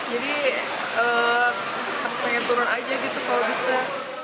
jadi pengen turun aja gitu kalau bisa